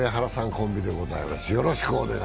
コンビでございます。